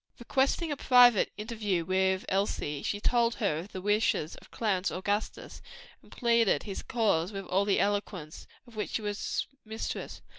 Requesting a private interview with Elsie, she told her of the wishes of Clarence Augustus, and plead his cause with all the eloquence of which she was mistress.